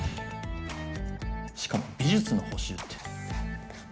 しかも美術の補習って。